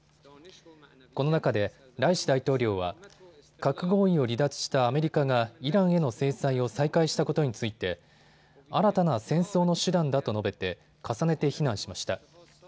この中でライシ大統領は、核合意を離脱したアメリカがイランへの制裁を再開したことについて新たな戦争の手段だと述べて重ねて非難しました。